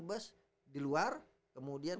bus di luar kemudian